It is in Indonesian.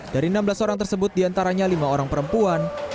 dari enam belas orang tersebut diantaranya lima orang perempuan